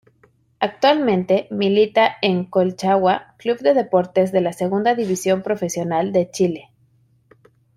Actualmente milita en Colchagua Club de Deportes de la Segunda División Profesional de Chile.